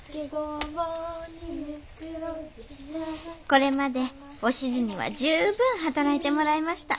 これまでおしづには十分働いてもらいました。